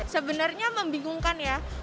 sebenarnya membingungkan ya